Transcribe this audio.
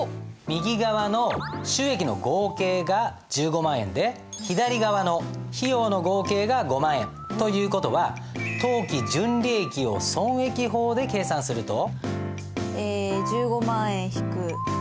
右側の収益の合計が１５万円で左側の費用の合計が５万円。という事は当期純利益を損益法で計算すると？